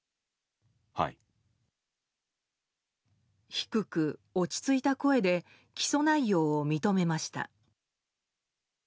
低く、落ち着いた声で起訴内容を認めました。